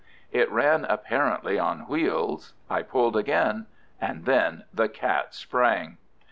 It ran apparently on wheels. I pulled again ... and then the cat sprang!